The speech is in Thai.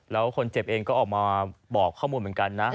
แล้วคนเจ็บเองก็ออกมาบอกข้อมูลเหมือนกันนะ